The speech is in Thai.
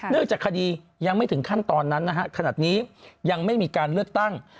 จากคดียังไม่ถึงขั้นตอนนั้นนะฮะขนาดนี้ยังไม่มีการเลือกตั้ง